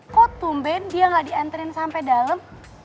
kok tumben dia nggak diantriin sampai dalam